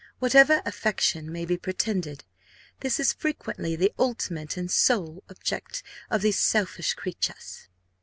Whatever affection may be pretended, this is frequently the ultimate and sole object of these selfish creatures.